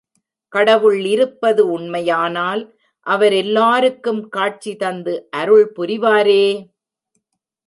கடவுள் இருப்பது உண்மையானால் அவர் எல்லாருக்கும் காட்சி தந்து அருள் புரிவாரே!